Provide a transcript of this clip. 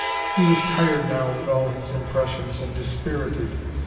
He was tired now with all his impressions, and dispirited.